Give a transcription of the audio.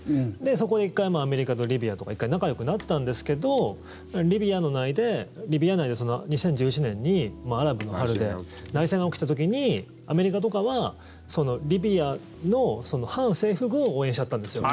そこで１回アメリカとリビアとか１回、仲よくなったんですけどリビア内で２０１１年にアラブの春で内戦が起きた時にアメリカとかはリビアの反政府軍を応援しちゃったんですよ。